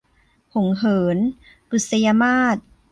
หงส์เหิน - บุษยมาส